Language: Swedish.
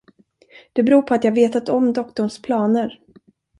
Det beror på att jag vetat om doktorns planer.